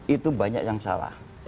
itu banyak yang salah